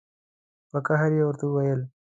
په قهر یې ورته وویل.